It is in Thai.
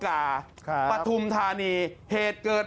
เกาะกระโปรงท้ายรถเรื่องของเรื่องตามรายงานไม่ได้บอกชัดเจนถึงขนาดนั้น